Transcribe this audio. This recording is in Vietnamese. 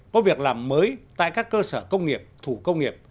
có việc làm mới tại các cơ sở công nghiệp thủ công nghiệp